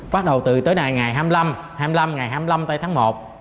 bắt đầu từ ngày hai mươi năm tháng một